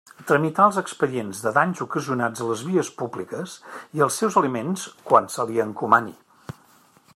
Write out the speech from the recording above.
Tramitar els expedients de danys ocasionats a les vies públiques i els seus elements, quan se li encomani.